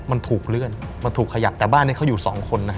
มันถูกเลื่อนมันถูกขยับแต่บ้านนี้เขาอยู่สองคนนะฮะ